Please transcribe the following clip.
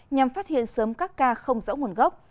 nhằm phát hiện sớm các ca không rõ nguồn gốc